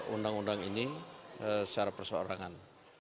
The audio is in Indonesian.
undang undang ini secara perseorangan